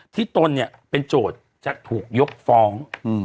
ที่ตนเป็นโจทย์จะถูกยกฟอง